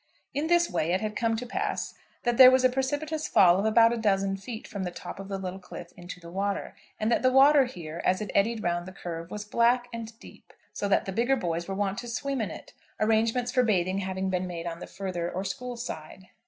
In this way it had come to pass that there was a precipitous fall of about a dozen feet from the top of the little cliff into the water, and that the water here, as it eddied round the curve, was black and deep, so that the bigger boys were wont to swim in it, arrangements for bathing having been made on the further or school side.